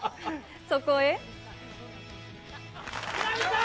そこへ。